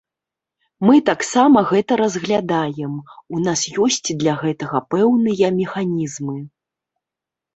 Мы таксама гэта разглядаем, у нас ёсць для гэтага пэўныя механізмы.